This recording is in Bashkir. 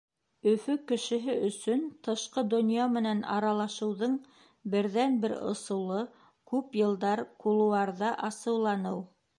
Өфө кешеһе өсөн тышҡы донъя менән аралашыуҙың берҙән-бер ысулы — күп йылдар кулуарҙа асыуланыу.